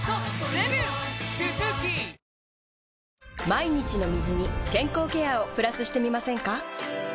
毎日の水に健康ケアをプラスしてみませんか？